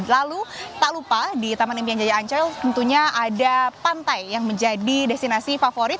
lalu tak lupa di taman impian jaya ancol tentunya ada pantai yang menjadi destinasi favorit